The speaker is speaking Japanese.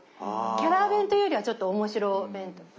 キャラ弁というよりはちょっと面白弁当。